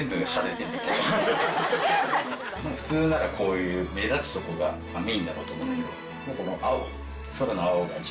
普通ならこういう目立つとこがメインなんだと思うんだけどこの青。